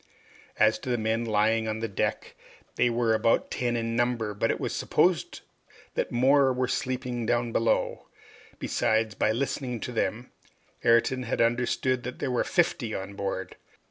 As to the men lying on the deck, they were about ten in number, but it was to be supposed that more were sleeping down below. Besides, by listening to them, Ayrton had understood that there were fifty on board.